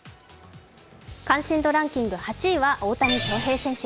関心度ランキング８位は大谷翔平選手。